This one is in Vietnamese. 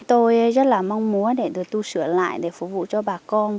tôi rất là mong muốn để được tu sửa lại để phục vụ cho bà con